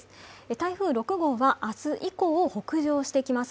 台風６号は明日以降北上してきます。